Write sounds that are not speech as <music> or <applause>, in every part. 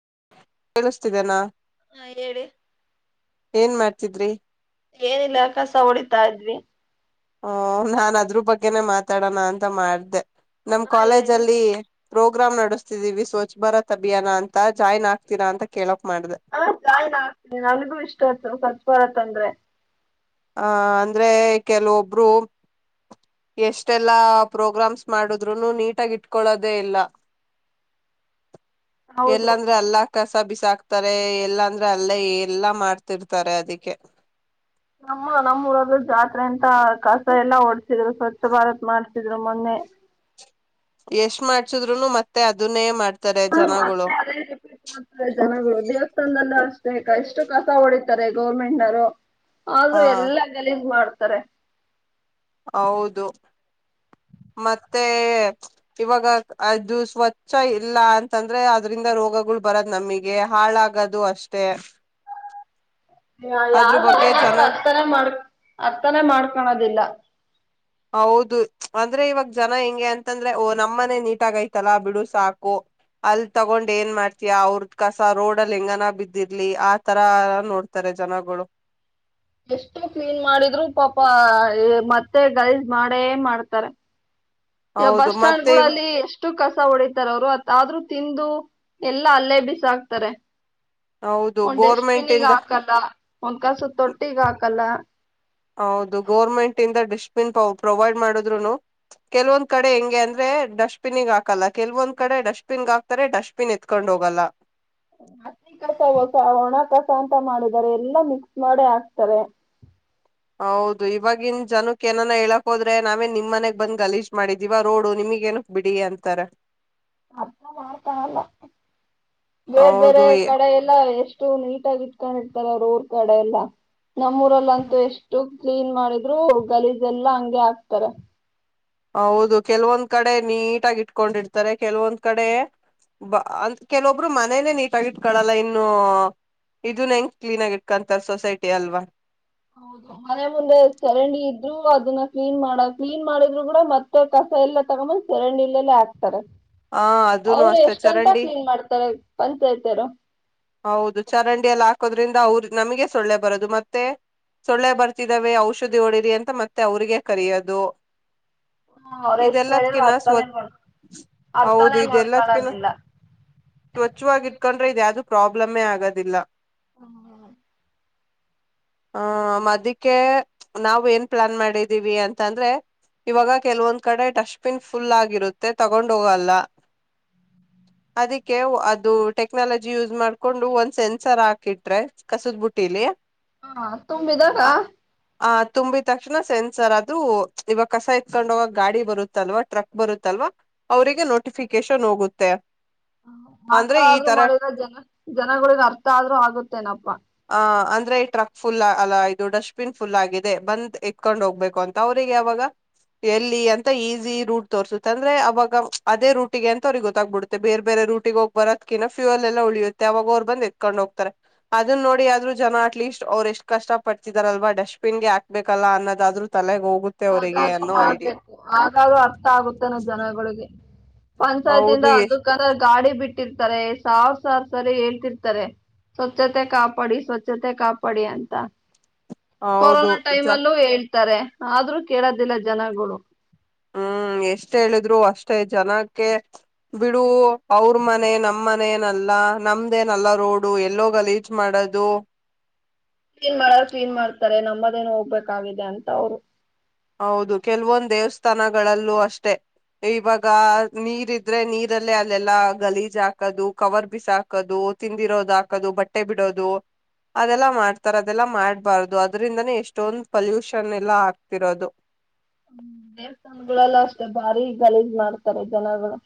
<unintelligible> <unintelligible> <unintelligible> <unintelligible> <unintelligible> ಹಾ ಹೇಳಿ <unintelligible> <unintelligible> <unintelligible> <unintelligible> ಆ ಅಂದ್ರೆ ಕೆಲವೊಬ್ಬರು ಇಷ್ಟೆಲ್ಲಾ ಪ್ರೋಗ್ರಾಮ್ಸ್ ಮಾಡಿದ್ರೇನು ನೀಟಾಗಿ ಇಟ್ಟುಕೊಳ್ಳೋದಿಲ್ಲ ಹೌದು ಎಲ್ಲಂದ್ರಲ್ಲಿ ಕಸ ಬಿಸಾಕ್ತಾರೆ ಎಲ್ಲಂದರೆ ಮಾಡುತ್ತಿದ್ದರೆ ಅದಕ್ಕೆ ಅಮ್ಮ ನಮ್ಮೂರಲ್ಲಿ ಜಾತ್ರೆ ಅಂತ ಕಸ ಎಲ್ಲಾ ಹೊಡ್ಸಿ ಸ್ವಚ್ಚ ಭಾರತ್ ಮಾಡಿಸಿದ್ದರು ಮೊನ್ನೆ ಎಷ್ಟು ಮಾಡಿಸಿದರೂ ಮತ್ತೆ ಅದನ್ನೇ ಮಾಡ್ ಮತ್ತೆ ಅದೇ ರಿಪೀಟ್ ದೇವಸ್ಥಾನದಲ್ಲಿ ಹು ಅಷ್ಟು ಕಸ ಹೊಡೀತಾರೆ ಗೌರ್ಮೆಂಟ್ ಅವರು ಅದು ಹಾ ಎಲ್ಲಾ ಗಲೀಜ್ ಮಾಡು ಬೇರೆ ಹೌದು ಮತ್ತೆ ಅದು ಸ್ವಚ್ಛ ಇಲ್ಲಾ ಅಂತ ಅಂದರೆ ಅದರಿಂದ ರೋಗ ಬರೋದು ನಮಗೆ ಹಾಳ್ ಹೋಗೋದು ಅಷ್ಟೇ ನಾವ್ ಅದ್ರ ಯಾರ್ ಬಗ್ಗೆ ಜನ ಏನ್ ಮಾಡಿದರು ಜನ ಅರ್ಥನೇ ಮಾಡ್ಕೊಲ್ಲ ಹೌದು ಅಂದ್ರೆ ಇವಾಗ ಜನ ಎಂಗೆ ಅಂತ ನಮ್ಮ ಮನೆ ನೀಟ್ ಆಗಿರಬೇಕು ಬಿಡು ಸಾಕು ಅಲ್ಲಿ ತಗೊಂಡು ಏನ ಮಾಡ್ತೀಯಾ ಅವರದು ಕಸ ರೋಡಲ್ಲಿ ಎಂಗನ್ ಬಿದ್ದಿರಲಿ ಆ ತರಾ ನೋಡ್ತಾರೆ ಜನಗಳು ಎಷ್ಟೋ ಪಿಲ್ಮ್ ಮಾಡಿದರು ಪಾಪ ಮತ್ತೆ ಗೌಡ್ ಮಾಡೇ ಮಾಡ್ತಾರೆ ಇವಾಗ ಹೌದು ಬಸ್ ಸ್ಟಾಂಡ್ ಮತ್ತೆ ಗಳಲ್ಲಿ ಎಸ್ಟು ಕಸ ಹೊಡೀತಾರೆ ಆದರೂ ತಿಂದು ಎಲ್ಲಾ ಅಲ್ಲೇ ಬಿಸಾಕ್ತಾರೆ ಹೌದು ಒಂದ್ ಡೆಸ್ಟ್ ಗೋರ್ಮೆಂಟ್ ಬಿನ್ಗೆ ಇಂದ ಹಾಕಲ್ಲ ಒಂದ್ ಕಸದ ತೊಟ್ಟಿಗೆ ಹಾಕಲ್ಲ ಹೌದು ಗೌರ್ಮೆಂಟ್ ಇಂದ ಡೆಸ್ಟಾಬಿನ್ ಪ್ರವೈಡ ಮಾಡಿದರುನೂ ಕೆಲವು ಒಂದು ಕಡೆ ಎಂಗೆ ಅಂದರೆ ಡೆಸ್ಟಾಬಿನ್ಗೆ ಹಾಕಲ್ಲ ಕೆಲವೊಂದು ಕಡೆ ಡೆಸ್ಟೇಬಿಂಗ್ ಹಾಕ್ತಾರೆ ಡೆಸ್ಟೇಬಿಂಗ್ ಎತ್ತಿಕೊಂಡು ಹೋಗಲ್ಲ ಹಸಿ ಕಸ ಒಣ ಕಸ ಅಂತ ಮಾಡಿದಿದ್ದಾರೆ ಎಲ್ಲಾ ಮಿಕ್ಸ್ ಮಾಡೇ ಹಾಕ್ತಾರೆ ಹೌದು ಇವಾಗಿನ್ ಜನಕ್ಕೆ ಏನ ಹೇಳಕ್ ಹೋದ್ರೆ ನಾವೇ ನಿಮ್ ಮನೆಗ್ ಬಂದ್ ಗಲೀಜ್ ಮಾಡಿದ್ವ ರೋಡು ನಿಮಗ್ ಏನಕ್ ಬಿಡಿ ಅಂತಾರ ಮತ್ತ ಮಾಡ್ತಾನಲ್ಲ ಬೇರೆ ಹೌದು ಬೇರೆ ಎ- ಕಡೆ ಎಲ್ಲ ಎಷ್ಟ ಎಷ್ಟು ನೀಟಾಗಿ ಇಟ್ಕೊಂಡಿರ್ತಾರೆ ಅವರುರ್ ಕಡೆ ಎಲ್ಲಾ ನಮ್ಮೂರಲ್ಲಂತೂ ಎಷ್ಟು ಕ್ಲೀನ್ ಮಾಡಿದ್ರು ಗಲೀಜ ಎಲ್ಲಾ ಹಂಗಗೆ ಹಾಕ್ತಾರೆ ಹೌದು ಕೆಲವೊಂದ್ ಕಡೆ ನೀಟಗ ಇಟ್ಕೊಂಡಿಡ್ತಾರೆ ಕೆಲವೊಂದ್ ಕಡೆ ಬ ಅಂತ ಕೆಲವೊಬ್ರು ಮನೇನೆೇ ನೀಟಗ ಇಟ್ಕೊಳಲ್ಲ ಇನ್ನು ಇದನ್ ಹೆಂಗ್ ಕ್ಲೀನ್ ಆಗ ಇಟ್ಕೊಂತಾರೆ ಸೊಸೈಟಿ ಅಲ್ವಾ ಹೌದು ಮನೆ ಮುಂದೆ ಚರಂಡಿ ಇದ್ರು ಅದನ್ನ ಕ್ಲೀನ್ ಮಾಡ ಕ್ಲೀನ್ ಮಾಡಿದ್ರು ಕೂಡ ಮತ್ತೆ ಕಸ ಎಲ್ಲ ತಗೊಂಬಂದ್ ಚರಂಡಿ ಇಲ್ಲೆಲ್ಲ ಹಾಕ್ತಾರೆ ಹ ಅದನು ಅವರು ಅಷ್ಟೇ ಎಷ್ಟಂತ ಚರಂಡಿ ಕ್ಲೀನ್ ಮಾಡ್ತಾರೆ ಪಂಚಾಯತಿಯರು ಹೌದು ಚರಂಡಿಯ ಎಲ್ಲಿ ಹಾಕೋದ್ರಿಂದ ಅವ್ರ ನಮಗೆ ಸೊಳ್ಳೆ ಬರೋದು ಮತ್ತೆ ಸೊಳ್ಳೆ ಬರ್ತಿದಾವೆ ಔಷಧಿ ಹೊಡಿರಿ ಅಂತ ಮತ್ತೆ ಅವ್ರಿಗೆ ಕರಿಯೋದು ಅವ್ರ್ ಎಷ್ಟ್ ಹೇಳಿದ್ರು ಇದೆಲ್ಲದಕನಾ ಅರ್ಥನೇ ಸ್ವಚ್ ಮಾಡ್~ ಹೌದು ಅರ್ಥನೇ ಇದೆಲ್ಲದಕನಾ ಮಾಡ್ಕಳದಿಲ್ಲ ಸ್ವಚ್ಛವಾಗಿಟ್ಕೊಂಡ ರದೆ ಅದು <unintelligible> ಪ್ರಾಬ್ಲಮ್ಮೇ ಆಗೋದಿಲ್ಲ ಹ್ಮ ಅ ಅದಕ್ಕೆ ನಾವವು ಏನ್ ಪ್ಲಾನ್ ಮಾಡಿದ್ದೀವಿ ಅಂತಂದ್ರೆ ಇವಾಗ ಕೆಲವೊಂದ್ ಕಡೆ ಡಸ್ಟ್ಬಿನ್ ಫುಲ್ ಆಗಿರುತ್ತೆ ತಗೊಂಡ್ ಹೋಗಲ್ಲ ಅದಕ್ಕೆ ಅದು ಟೆಕ್ನಾಲಜಿ ಯೂಸ್ ಮಾಡ್ಕೊಂಡು ಒಂದ್ ಸೆನ್ಸರ್ ಹಾಕಿಟ್ರೆ ಕಸದ್ಬುಟ್ಟಿಲಿ ಹಾ ತುಂಬಿದಾಗ ಆ ತುಂಬಿದ ತಕ್ಷಣ ಸೆನ್ಸರ್ ಆದ್ರೂ ಇವಾಗ ಕಸ ಇತ್ಕೊಂಡೋಗ ಗಾಡಿ ಬರುತ್ತಲ್ವಾ ಟ್ರಕ್ ಬರುತ್ತಲ್ವಾ ಅವ್ರಿಗೆ ನೋಟಿಫಿಕೇಶನ್ ಹೋಗುತ್ತೆ ಅಂದ್ರೆ ಈ ಮಾತಾಡಾದ್ರು ತರ ಮಾಡಿದರೆ ಜನ ಜನಗಳಿಗೆ ಅರ್ಥ ಆದ್ರೂ ಆಗುತ್ತೇನಪ್ಪಾ ಆ ಅಂದ್ರೆ ಈ ಟ್ರಕ್ ಫುಲ್ ಅಲ್ಲ ಇದು ಡಸ್ಟ್ಬಿನ್ ಫುಲ್ ಆಗಿದೆ ಬಂದ್ ಎತ್ಕೊಂಡ್ ಹೋಗ್ಬೇಕು ಅಂತ ಅವ್ರಿಗೆ ಅವಾಗ ಎಲ್ಲಿ ಅಂತ ಈಸಿ ರೂಟ್ ತೋರ್ಸುತ್ತೆ ಅಂದ್ರೆ ಅವಾಗ ಅದೇ ರೂಟಿಗೆ ಅಂತ ಅವ್ರಿಗೆ ಗೊತ್ತಾಗ್ಬಿಡುತ್ತೆ ಬೇರೆ ಬೇರೆ ರೂಟಿಿಗೆ ಹೋಗಿ ಬರೋದಕಿಿನ ಫ್ಯಲ್ ಲ್ಲ ಉಳಿಯುತ್ತೆ ಅವಾಗ ಅವರು ಬಂದ ಎತ್ಕೊಂಡ್ ಹ್ತಾರೆ ಅದನ್ನ ನೋಡಿ ಆದ್ರೂ ಜನ ಅಟ್ ಲೀಸ್ಟ್ ಅವ್ರು ಎಷ್ಟ್ ಕಷ್ಟ ಪತಿದಾರಲ್ವಾ ಡಸ್ಟ್ ಬಿನ್ಗೆ ಹಾಕ್ಬೇಕಲ್ಲ ಅನ್ನೋದಾದ್ರೂ ತಲೆಗೆ ಹೋಗ ಆಗಿದರೂ ಮಾಡ್ಬೇಕು ಹಾಗಾದೂ ಅರ್ಥ ಆಗುತ್ತೆನ ಜನಗಳಿಗೆ ಪಂಚಾಯತಿ ಹೌದು ಇಂದ ಎಷ್ಟ್ ಅದಕ್ಕ ಗಾಡಿ ಬಿಟ್ಟಿರ್ತಾರೆ ಸಾವ ಸಾರ್ ಸರಿ ಹೇಳ್ತಿರ್ತಾರೆ ಸ್ವಚ್ಛತೆ ಕಾಪಾಡಿ ಸ್ವಚ್ಛತೆ ಕಾಪಾಡಿ ಅಂತ ಹೌದು ಕೊರೋನಾ ಜ ಟೈಮ್ ಅಲ್ಲೂ ಎ ತಾರೆ ಆದ್ರೂ ಕೇಳದಿಲ್ಲ ಜನಗಳು. ಹ್ಮ್ ಎಷ್ಟ ಹೇಳಿದ್ರು ಅಷ್ಟೇ ಜನಕ್ಕೆ ಬಿಡು ಅವ್ರ ಮನೆ ನಮ ಮನೇನಲ್ಲ ನಮ್ದೇನಲ್ಲ ರೋಡು ಎಲ್ಲ ಗ ಲೀಚ್ ಮಾಡದು. ಕ್ಲೀನ್ ಮಾಡೋರು ಕ್ಲೀನ್ ಮಾಡ್ತಾರೆ ನಮ್ಮದೇನು ಹೋಗ್ಬೇಕಾಗಿದೆ ಅಂತ ಅವರು. ಹೌದು ಕೆಲವೊಂದ ದೇವಸ್ಥಾನಗಳಲ್ಲೂ ಅಷ್ಟೆ ಇವಾಗ ನೀರ್ ಇದ್ರೆ ನೀರಲ್ಲೇ ಅಲ್ಲೆಲ್ಲಾ ಗಲೀಜ್ ಹಾಕೋದು ಕವರ್ ಬಿಸ ಹಾಕದು ತಿಂದಿರೋದು ಹಾಕೋದು ಬಟ್ಟೆ ಬಿಡೋದು ಅದೆಲ್ಲಾ ಮಾಡ್ತಾರ ಅದೆಲ್ಲಾ ಮಾಡ್ಬಾರ್ದು ಅದ್ರಿಂದನೇ ಎಷ್ಟೊಂದ ಪಲ್ಯೂಷನ್ ಎಲ್ಲ ಇರೋದು. ್ಮ ದೇವಸ್ಥಾನಗಳೆಲ್ಲ ಅಷ್ಟೇ ಭಾರಿ ಗಲೀಜು ಮಾಡ್ತಾರೆ ಜನಗಳು.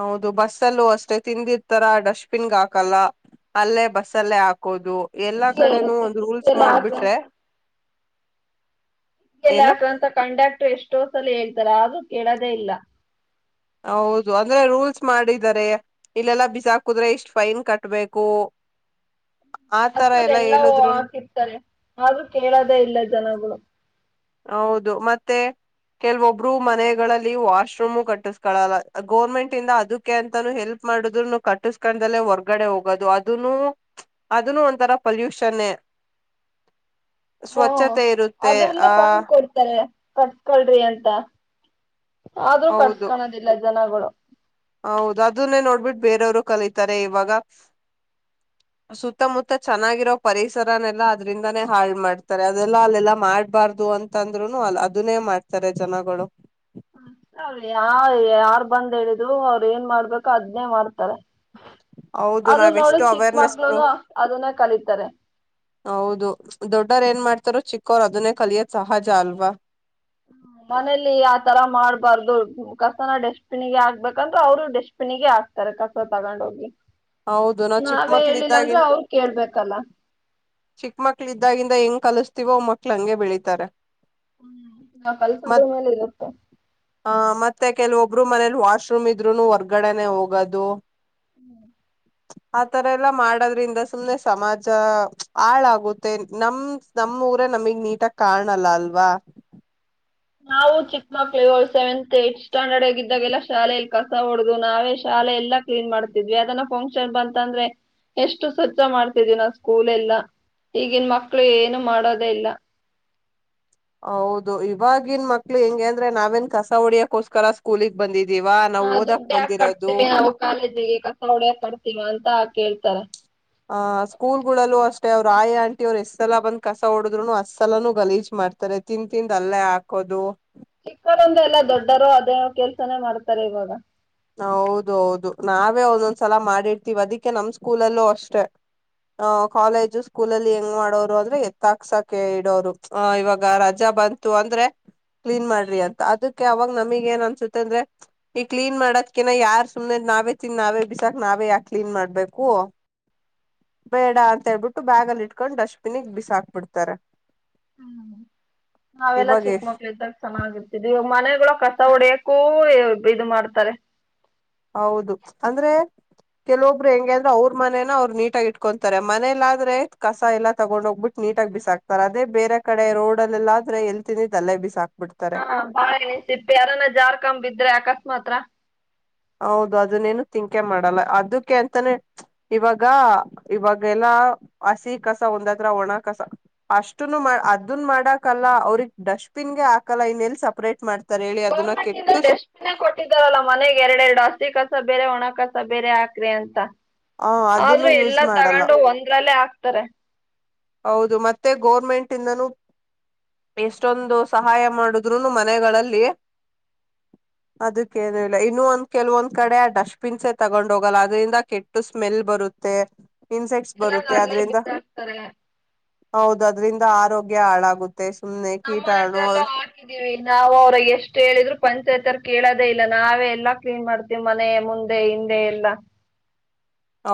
ಹೌದು ಬಸ್ಸಲ್ಲೂ ಅಷ್ಟೇ ತಿಂದಿರ್ತಾರ ಡಸ್ಟ್ಬಿನ್ಗೆ ಹಾಕಲ್ಲ ಅಲ್ಲೇ ಬಸ್ಲ್ಲೇ ಹಾಕ್ ಹಾಕೋದು ಎಲ್ಲಾ ಕಿಟ್ಕಿ ಕಡೆನೂ ಇರುತ್ತೆ ಒಂದು ರೂಲ್ಸ್ ಕಿಟ್ಕಿಯಲ್ಲಿ ಮಾಡ್ಬಿಟ್ರೆ <unintelligible> ಏನು ಹಾಕ ಅಂತ ಕಂಡಕ್ಟರ್ ಎಷ್ಟೋ ಸಲ ಹೇಳ್ತಾರ ಅದ್ರು ಕೇಳದೇ ಇಲ್ಲ. ಹೌದು ಅಂದ್ರೆ ರೂಲ್ಸ್ ಮಾಡಿದ್ದಾರೆ ಇಲ್ಲೆಲ್ಲಾ ಬಿಸಾಕುದ್ರೆ ಇಷ್ಟ್ ಫೈನ್ ಕಟ್ಬೇಕು. ಆತರ ಅಸಲ್ಲ ಎಲ್ಲಾ ಹೇಳಿದ್ರುನು ಹಾಕಿರ್ತಾರೆ ಆದೂ ಕೇಳದೇ ಇಲ್ಲ ಜನಗಳು. ಹೌದು ಮತ್ತೆ ಕೆಲ್ವೊಬ್ರು ಮನೆಗಳಲ್ಲಿ ವಾಶ್ರೂಮು ಕಟ್ಟಸ್ಕೊಳ್ಳಲ್ಲ ಗೌರ್ಮೆಂಟ್ ಇಿಂದ ಅದಕ್ಕೆ ಅಂತಾನೂ ಹೆಲ್ಪ್ ಮಾಡುದ್ೂನು ಕಟ್ಟಸ್್ಕೊಂಡ್ದಲ್ಲೇ ಹೊರ್ಗಡೆ ಹೋಗೋದು ಅದನ್ನು ಅದನ್ನು ಒಂಥರ ಪಲ್ಯೂಷನ್ೇ. ಸ್ವಚ್ಛತೆ ಇರುತ್ತೆ <unintelligible> <unintelligible> ಅದ್ರು <unintelligible> <unintelligible> ಹೌದ ಅದನು ನೋಡಿ ಬಿಟ್ಟು ಬೇರೆಯವರ ಕಲಿತಾರೆ ಇವಾಗ ಸುತ್ತ ಮುತ್ತ ಚೆನ್ನಾಗಿ ಇರೊ ಪರಿಸರನ ಯಲಾ ಅದರಿಂದ ನೆ ಹಳ ಮಾಡ್ತಾರೆ ಆದ ಯಲಾ ಮಾಡ ಬರದುಅಂತ ಅಂದ್ರೆ ಅದನೆ ಮಾಡ್ತಾರೆ ಜನಗಳು <unintelligible> ಯಾರ ಬಂದ ಹೇಳಿದ್ರು ಅವರ ಎನ ಮಾಡಬೇಕೋ ಅದನೇ ಮಾಡ್ತಾರಾ. ಹೌದು ನಾವು ಎಸ್ಟ್ ಅವೇರ್ನೆಸ್ ಪ್ರೊ ಮಕ್ಳುನು ಅದನ್ನ ಕಲಿತಾರೆ ಹೌದು ದೊಡ್ಡವರ ಎನ ಮಾಡ್ ಇನ್ನು ಚಿಕ್ಕವರು ಅದನ್ನೇ ಕಲಿಯೋದು ಸಹಜ ಅಲ್ವಾ. ಮನೆಯಲ್ಲಿ ಯಾತರ ಮಾಡಬಾರದು ಕಸನ ಡಸ್ಟ್ಬಿನ್ ಗೆ ಹಾಕ ಬೇಕ ಅಂತ ಅವರು ಡಸ್ಟ್ಬಿನ್ ಗೆ ಹಾಕ್ತಾರ ಕಸ ತಗೊಂಡ ಹೋಗಿ. ಹೌದು ನಾವ ಚಿಕ್ಕ ಮಕ್ಕಳ ಇದಾಗಿಂದ ಅವ್ರು ಕೇಳ್ಬೇಕಲ್ಲ ಚಿಕ್ಕ ಮಕ್ಕಳ ಇದಾಗಿಂದ ಹೆಂಗ ಕಲಿಸ್ತಿವೊ ಮಕ್ಕಳ ಹಾಂಗ ಬೆಳೀತರ. <unintelligible> ಮತ ವಬರ ಮಣಿಯಲಿ ವಾಶ್ರೂಂ ಇದ್ರನು ಹೊರಗಡೆ ನೇ ಹೋಗೋದು. <unintelligible> ಆತರ ಎಲ್ಲ ಮಾಡೋದ್ರಿಂದ ಸುಮ್ನೆ ಸಮಾಜ ಹಾಳಾಗುತ್ತೆ ನಮ್ ನಮ್ಮೂರೆ ನಮಿಗೆ ನೀಟಾಗಿ ಕಾಣಲ್ಲ ಅಲ್ವಾ. ನಾವು ಚಿಕ್ಕ ಮಕ್ಕಳ ಇರೊ ಸೆವೆಂತ್ ಈಗ್ತ್ ಸ್ಟ್ಯಾಂಡರ್ಡ್ ಈದ್ಗಾ ಯಲ್ಲ ಶಾಲೆ ಯಲಿ ಕಸ ಹೊಡದು ನಾವೇ ಶಾಲೆ ಯಲ ಕ್ಲೀನ್ ಮಾಡತಿದವಿ ಯಾವ್ದನ ಫಂಕ್ಷನ್ ಬಂತ ಅಂದ್ರೆ ಎಸ್ಟ್ ಸ್ವಚ್ಛ ಮಾಡಿದವಿ ಸ್ಕೂಲ್ ಯಲ್ಲ ಈಗಿನ ಮಕ್ಕಳ ಏನು ಮಾಡಿದೆ ಇಲ್ಲಾ. ಹೌದು ಇವಗಿನ ಮಕ್ಕಳ ಹೆಂಗೆ ಅಂದ್ರೆ ನಾವ ಏನ ಕಸ ಹುಡಿಯೋಕ ಗೋಸ್ಕರ ಸ್ಕೂಲಿಗೆ ಬಂದಿದ್ದ ಹ ದುಡ್ಡ ಯಾಕ್ ಕಟತಿಣಿ ಅವ ಕಾಲೇಜ್ ಗೇ ಕಸ ಹಿಡಿಯಾಕಾ ಕಟ್ಟತಿನಾ ಅಂತ ಕೇಳ ಹ ಆ ಸ್ಕೂಲ್ಗಳಲ್ಲೂ ಅಷ್ಟೇ ಅವರ ಆಯಾ ಆಂಟಿ ಅವರ ಎಷ್ಟ್ ಸಲ ಬಂದ್ ಕಸ ಒಡುದ್ರೂನು ಅಷ್ಟ ಸಲಾನು ಗಲೀಜ್ ಮಾಡ್ತಾರೆ ತಿಂದ್ ತಿಂದ್ ಅಲ್ಲೇ ಹಾಕೋದು ಚಿಕ್ಕೌರಿಂದ ಎಲ್ಲಾ ದೊಡ್ಡವರು ಅದೇ ಕೆಲಸಾ ನೆ ಮಾಡ್ತಾರೆ ಇವಾಗ. ಹೌದು ಹೌದು ನಾವೇ ಒಂದೊಂದ್ ಸಲ ಮಾಡಿರ್ತೀವಿ ಅದಕ್ಕೆ ನಮ್ಮ ಸ್ಕೂಲಲ್ಲು ಅಷ್ಟೇ ಅ ಕಾಲೇಜು ಸ್ಕೂಲಲ್ಲಿ ಹೆಂಗ್ ಮಾಡೋರು ಅಂದ್ರೆ ಎತ್ತಾಕ್ಸಕ್ಕೆ ಇಡುವರು. ಆ ಇವಾಗ ರಜಾ ಬಂತು ಅಂದ್ರೆ ಕ್ಲೀನ್ ಮಾಡ್ರಿ ಅಂತ ಅದಕ್ಕೇ ಅವಾಗ ನಮಗ ಏನ್ ಅನ್ಸುತ್ತೆ ಅಂದ್ರೆ ಈ ಕ್ಲೀನ್ ಮಾಡಕ್ ಕೆನೆ ಯಾರ ಸುಮ್ಮನೆ ನಾವೇ ತಿಂದ ನಾವೇ ಬಿಸಾಕ್ ನಾವೇ ಯಾಕ್ ಕ್ಲೀನ್ ಮಾಡಬೇಕು. ಬೇಡ ಅಂತ ಹೇಳ್ಬಿಟ್ಟು ಬ್ಯಾಗಲಿಟ್ಕೊಂಡು ಡಸ್ಟ್ಬಿನ್ ಗೆ ಬಿಸಾಕ್ ಬಿಡ್ತಾರೆ. ನಾವೆಲ್ಲಾ ಇವಾಗ ಚಿಕ್ ಎಷ್ಟ್ ಮಕ್ಳಿದ್ದಾಗ ಚನ್ನಾಗಿ ಇರ್ತಿದ್ವಿ ಇವಾಗ ಮನೆಗಳೋ ಕ ಕಸ ಹೊಡಿಯಕೂ ಇದು ಮಾಡ್ತಾರೆ. ಹೌದು ಅಂದ್ರೆ ಕೆಲವೊಬ್ರು ಹೆಂಗೆ ಅಂದ್ರೆ ಅವ್ರ್ ಮನೆನ ಅವ್ರು ನೀಟಾಗಿ ಇಟ್ಕೋತಾರೆ, ಮನೆಲಾದ್ರೆ ಕಸ ಎಲ್ಲಾ ತಗೊಂಡ್ ಹೋಗ್ಬಿಟ್ಟು ನೀಟಾಗಿ ಬಿಸಾಕ್ತಾರೆ ಅದೇ ಬೇರೆ ಕಡೆ ರೋಡೆಲ್ಲೆಲ್ಲಾ ಆದ್ರೆ ಎಲ್ ತಿಂದಿದ್ದು ಅಲ್ಲೇ ಬಿಸಾಕ್ತಾರೆ. <unintelligible> ಯಾರನಾ ಜಾರ್ಕಂಡ್ ಬಿದ್ರೆ ಅಕಸ್ಮಾತ್ ಮಾತ್ರ ಹೌದು ಅದುನ್ನೇನು ತಿಂಕ್ ಏ ಮಾಡಲ್ಲ ಅದುಕ್ಕೆ ಅಂತನೇ ಚ್ ಇವಾಗ ಇವಾಗ ಇವಾಗೆಲ್ಲ ಹಸಿ ಕಸ ಒಂದತ್ರ ಒಣ ಕಸ ಒಂದತ್ರ ಅಷ್ಟುನು ಅದುನ್ ಮಾಡಾಕಲ್ಲ ಅವ್ರಿಗೆ ಡಸ್ಟ್ ಬಿನ್ ಗೆ ಹಾಕಲ್ಲ ಇನ್ನೆಲ್ಲಿ ಸಪರೇಟ್ ಮಾಡ್ತಿ <unintelligible> ಡಸ್ಟ್ ಬಿನ್ ಏ ಕೊಟ್ಟಿದರಲ್ಲ ಮನೆಗೆರೆಡೆರೆಡು. <unintelligible> ಕಸ ಬೇರೆ ಒಣ ಕಸ ಬೇರೆ ಹಾಕ್ರಿ ಅಂತ. ಹ ಅದನ್ನು ಆದ್ರು ಯೂಸ್ ಎಲ್ಲಾ ಮಾಡಲ್ಲ ತಗೊಂಡು ಒಂದ್ರಲ್ಲೇ ಹಾಕ್ತಾರೆ. ಹೌದು ಮತ್ತೆ ಗೌರ್ಮೆಂಟಿದನೂ ಎಷ್ಟೊಂದು ಸಹಾಯ ಮಾಡುದ್ರೂನು ಮನೆಗಳಲ್ಲಿ, ಅದುಕ್ಕೇನಿಲ್ಲ, ಇನ್ನು ಒಂದ್ ಕೆಲವು ಕಡೆ ಡಸ್ಟ್ ಬಿನ್ಸ್ ಹೇ ತಗೊಂಡ್ ಹೋಗಲ್ಲ ಅದ್ರಿಂದ ಕೆಟ್ಟು ಸ್ಮೆಲ್ ಬರುತ್ತೆ. ಇನ್ಸೆಕ್ಟ್ಸ್ ಎಲ್ಲಾನು ಬರುತ್ತೆ ಅಲ್ಲೇ ಅದ್ರಿಂದ. ಬಿಸಾಕ್ತಾರೆ ಹೌದು ಅದ್ರಿಂದ ಆರೋಗ್ಯ ಹಾಳಾಗು <unintelligible> ನಾವು ಅವ್ರು ಎಷ್ಟ್ ಹೇಳುದ್ರೂ <unintelligible> ಕೇಳದೇ ಇಲ್ಲ ನಾವೆ ಎಲ್ಲಾ ಕ್ಲೀನ್ ಮಾಡ್ತಿವಿ ಮನೆ ಮುಂದೆ ಹಿಂದೆ ಎಲ್ಲಾ.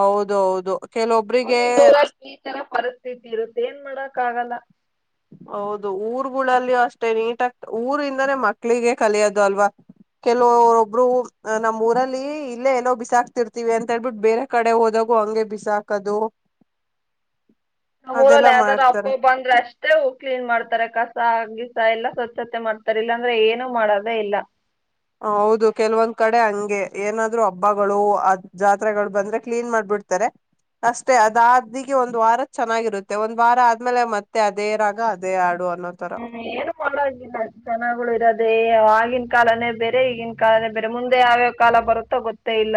ಹೌದು ಹೌದು. ಕೆಲವೊಬ್ರಿಗೆ ಒಂದೊಂದು ಊರಲ್ಲಿ ಈ ತರ ಪರಿಸ್ಥಿತಿ ಇರುತ್ತೆ ಏನ್ಮಾಡೋ ಕಾಗಲ್ಲ ಹೌದು ಊರ್ಗುಳಲ್ಲಿ ಅಷ್ಟೇ ನೀಟಾಗಿ ಊರಿಂದನೇ ಮಕ್ಳಿಗೆ ಕಲಿಯದು ಅಲ್ವ, ಕೆಲವು ಒಬ್ರು ಅ ನಮ್ಮೂರಲ್ಲಿ ಇಲ್ಲೆ ಎಲ್ಲೋ ಬಿಸಾಕ್ತಿರ್ತಿವಿ ಅಂತೇಳ್ಬಿಟ್ಟು ಬೇರೆ ಕಡೆ ಹೋದಾಗು ಹಂಗೆ ಬಿಸಾಕೋದು. ಅವುರಲ್ ಯಾವ್ದಾದ್ರು ಅಪ್ರೂಪ ಅಂದ್ರೆ ಅಷ್ಟೆ. ಕ್ಲೀನ್ ಮಾಡ್ತಾರೆ ಕಸ ಆಗ್ಲಿ ಸ ಎಲ್ಲಾ ಸತ್ ಸತೇ ಮಾಡ್ತಾರೆ ಇಲ್ಲಂದ್ರೆ ಇಲ್ಲ. ಹೌದು ಕೆಲವೊಂದ್ ಕಡೆ ಹಂಗೆ ಏನಾದ್ರು ಹಬ್ಬಗಳು ಅತ್ ಜಾತ್ರೆಗಳು ಬಂದ್ರೆ ಕ್ಲೀನ್ ಮಾಡ್ಬಿಡ್ತಾರೆ, ಅಷ್ಟೆ ಆದಾದಿಗೆ ಒಂದ್ ವಾರ ಚೆನಾಗಿರುತ್ತೆ, ಒಂದ್ ವಾರ ಆದ್ಮೇಲೆ ಮತ್ತೆ ಅದೇ ರಾಗ ಅದೇ ಹಾಡು. ಅನ್ನೋ ತರ <unintelligible> ಜನಗಳಿರೋದೆ ಅಯ್ ಗಿನ್ ಕಾಲನೇ ಬೇರೆ ಈಗಿನ್ ಕಾಲ ಬೇರೆ ಮುಂದೆ ಯಾವ್ ಯಾವ್ ಕಾಲ ಬರುತ್ತೋ ಗೊತ್ತೇ ಇಲ್ಲ.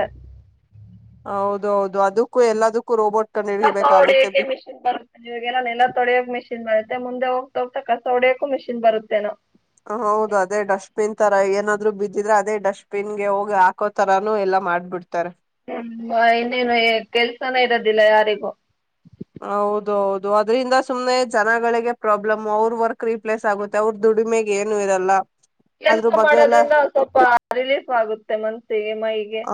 ಹೌದೌದು ಅದುಕ್ಕು ಎಲ್ಲಾದಕ್ಕು ರೋಬೋಟ್ ಕಂಡು <unintelligible> ಹಿಡಿಬೇಕಾಗುತ್ತೆ ಬಿ ತ್ತೆ ಮುಂದೆ ಹೋಗ್ತಾ ಹೋಗ್ತಾ ಕಸ ಹೊಡೆಯೋಕು ಮಿಷಿನ್ ಬರುತ್ತೇನೋ. ಹೌದು ಅದೇ ಡಸ್ಟ್ ಬಿನ್ ತರ ಏನಾದ್ರು ಬಿದ್ದಿದ್ರೆ ಅದೇ ಡಸ್ಟ್ ಬಿನ್ ಗೆ ಹೋಗಿ ಹಾಕೋ ತರನೂ ಎಲ್ಲಾ ಮಾಡ್ಬಿಡ್ತಾರೆ. <unintelligible> ಇನ್ನೇನು ಕೆಲ್ಸನೇ ಇರೋದಿಲ್ಲ ಯಾರಿಗು. ಹೌದು ಹೌದು ಅದ್ರಿಂದ ಸುಮ್ನೆ ಜನಗಳಿಗೇನೆ ಪ್ರಾಬ್ಲಂ ಅವ್ರ್ ವರ್ಕ್ ರಿಪ್ಲೇಸ್ ಆಗುತ್ತೆ ಅವ್ರ್ ದುಡಿಮೆಗೆ ಏನು ಇರಲ್ಲ. ಕೆಲ್ಸ ಅದ್ರ ಬಗ್ಗೆ ಎಲ್ಲ ಮಾಡೋದ್ರಿಂದ ಸ್ವಲ್ಪ ರಿಲೀಫ್ ಆಗುತ್ತೆ ಮನ್ಸಿಗೆ ಮೈಂಡಿಗೆ. ಆ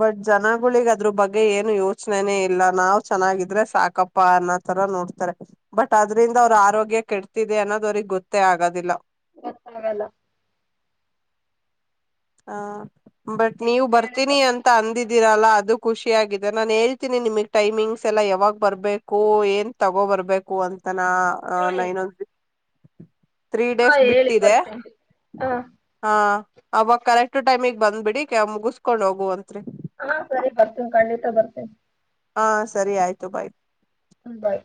ಬಟ್ ಜನಗುಳಿಗೆ ಅದ್ ಅದ್ರು ಬಗ್ಗೇ ಏನು ಯೋಚ್ನೇನೆ ಇಲ್ಲ ನಾವ್ ಚೆನಾಗಿದ್ರೆ ಸಾಕಪ್ಪ ಅನ್ನೋ ತರ ನೋಡ್ತಾರೆ ಬಟ್ ಅದ್ರಿಂದ ಅವ್ರ್ ಆರೋಗ್ಯ ಕೆಡ್ತಿದೆ ಅನ್ನೋದು ಅವ್ರಿಗೆ ಗೊತ್ತೇ ಆಗೋದಿಲ್ಲ. <inaudible> ಹಾ ಬಟ್ ನೀವು ಎಷ್ಟ್ ಬರ್ತೀನಿ ಹೇಳಿದ್ರು ಅಂತ ಅಂದಿದ್ ತಿರಲ್ಲ ಅದು ಖುಷಿಯಾಗಿದೆ, ನಾನ್ ಹೇಳ್ತಿನಿ ನಿಮಿಗ್ ಟೈಮಿಂಗ್ಸ್ ಎಲ್ಲಾ ಯಾವಾಗ್ ಬರ್ಬೇಕು ಏನ್ ತಗೋಬರ್ಬೇಕು ಅಂತ್ ನಾ ಹಾ ನೈನೊ <inaudible> ತ್ರೀ ಹಾ ಡೇಸ್ ಹೇಳಿ ಬಿಟ್ಟಿದೆ ಬರ್ತೇನೆ ಹಾ ಹ ಯಾವಾಗ ಸರಿಯಾದ ಸಮಯ, ಮುಗಿಸಿದ ನಂತರ ಬನ್ನಿ, ನೀವು ಹೋಗಬಹುದು. ಹೌದು ಖಂಡಿತ ನಾನು ಬರುತ್ತೇನೆ. ಹಾ ಸರಿ ಬೈ ಬಾಯ್